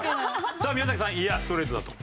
さあ宮崎さんいやストレートだと。